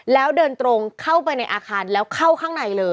แล้วเดินตรงเข้าไปในอาคารแล้วเข้าข้างในเลย